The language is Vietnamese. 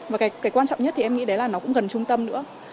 và cái quan trọng nhất thì em nghĩ đấy là nó cũng gần trung tâm nữa